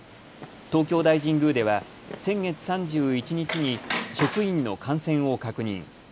東京大神宮では先月３１日に職員の感染を確認。